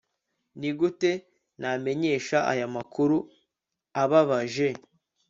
nigute namenyesha aya makuru ababaje